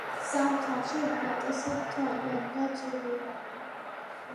ზამთარში უმეტესად თოვლიანი და წვიმიანია.